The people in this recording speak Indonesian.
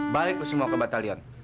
balik lo semua ke batalion